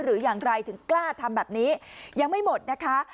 หรืออย่างไรถึงกล้าทำแบบนี้ยังไม่หมดนะคะ